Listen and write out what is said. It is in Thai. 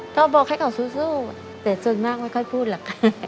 ก็บอกให้เขาสู้แต่ส่วนมากไม่ค่อยพูดหรอกค่ะ